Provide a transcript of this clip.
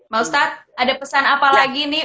maustad ada pesan apa lagi nih